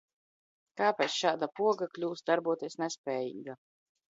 Kāpēc šāda poga kļūst darboties nespējīga?